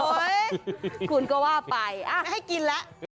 โอ้โฮคุณก็ว่าไปอ้าให้กินละ